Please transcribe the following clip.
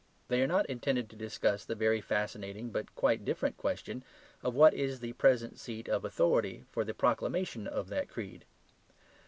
They are not intended to discuss the very fascinating but quite different question of what is the present seat of authority for the proclamation of that creed.